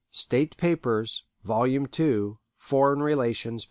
("State Papers," vol. ii, "Foreign Relations," p.